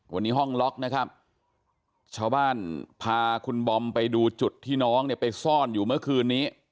วันนี้ห้องล็อกนะครับชาวบ้านพาคุณบอมไปดูจุดที่น้องเนี่ยไปซ่อนอยู่เมื่อคืนนี้